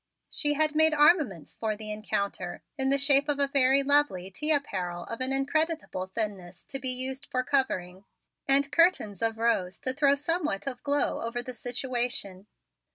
She had made armaments for the encounter in the shape of a very lovely tea apparel of an increditable thinness to be used for covering, a little low fire in the golden grate, and curtains of rose to throw somewhat of glow over the situation.